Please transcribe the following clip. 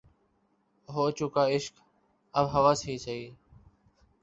ہو چکا عشق اب ہوس ہی سہی